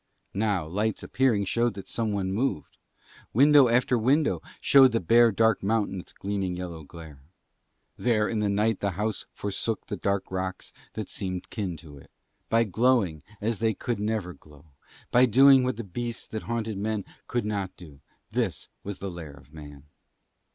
Now lights appeared showing that someone moved. Window after window showed to the bare dark mountain its gleaming yellow glare; there in the night the house forsook the dark rocks that seemed kin to it, by glowing as they could never glow, by doing what the beasts that haunted them could not do: this was the lair of man.